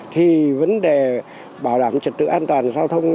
thì vấn đề bảo đảm trật tự an toàn giao thông